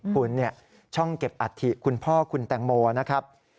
คุณเนี่ยช่องเก็บอัฐิคุณพ่อคุณแตงโมนะครับ